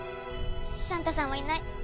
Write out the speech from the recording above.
サンタさんはいない。